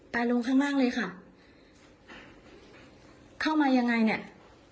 ลงข้างล่างเลยค่ะเข้ามายังไงเนี่ย